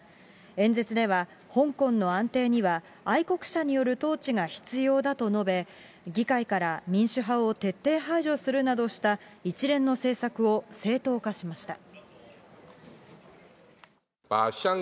演説では、香港の安定には、愛国者による統治が必要だと述べ、議会から民主派を徹底排除するなどした一連の政策を正当化しました。